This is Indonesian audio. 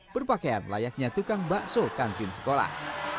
berpakaian layaknya tukang bakso kantin sekolah